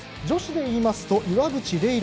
女子でいいますと岩渕麗